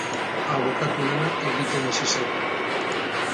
Abokatu lana egiten hasi zen.